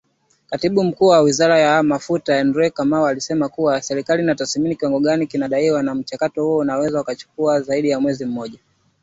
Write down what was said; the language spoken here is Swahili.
Katibu Mkuu wa Wizara ya Mafuta Andrew Kamau alisema kuwa serikali inatathmini kiwango gani kinadaiwa na mchakato huo unaweza kuchukua zaidi ya mwezi mmoja